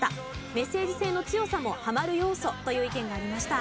メッセージ性の強さもハマる要素という意見がありました。